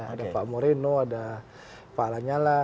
ada pak moreno ada pak lanyala